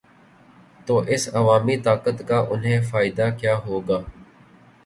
تو اس عوامی طاقت کا انہیں فائدہ کیا ہو گا؟